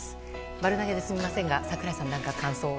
丸投げですみませんが櫻井さん、何か感想を。